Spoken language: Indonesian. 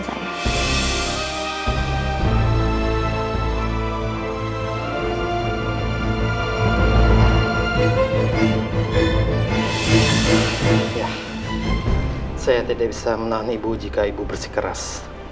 saya tidak bisa menahan ibu jika ibu bersikeras